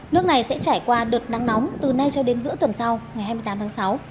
nước này sẽ trải qua đợt nắng nóng từ nay cho đến giữa tuần sau ngày hai mươi tám tháng sáu